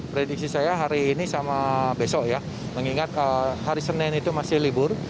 prediksi saya hari ini sama besok ya mengingat hari senin itu masih libur